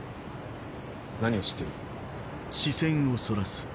何を知ってる？